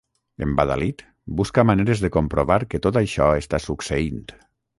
Embadalit, busca maneres de comprovar que tot això està succeint.